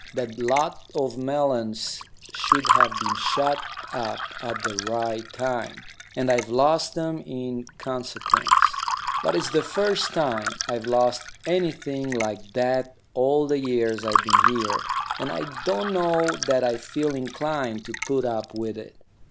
That lot of melons should have been shut up at the right time, and I've lost 'em in consequence. But it's the first time I've lost anything like that all the years I've been here, and I don't know that I feel inclined to put up with it.